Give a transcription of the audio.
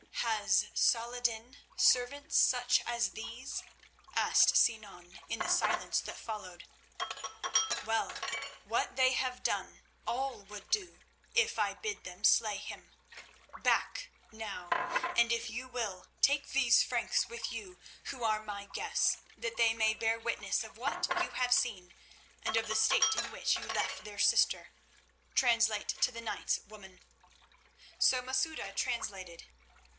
"Has Salah ed din servants such as these?" asked Sinan in the silence that followed. "Well, what they have done, all would do, if I bid them slay him. Back, now; and, if you will, take these Franks with you, who are my guests, that they may bear witness of what you have seen, and of the state in which you left their sister. Translate to the knights, woman." So Masouda translated.